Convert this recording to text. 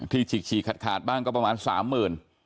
ที่ฉีกฉีกขาดบ้านแต่ก็ประมาณ๓หมื่น